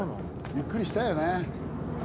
ゆっくりしたいよね。